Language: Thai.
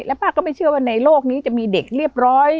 ป้าก็ไม่เชื่อว่าในโลกนี้จะมีเด็กเรียบร้อย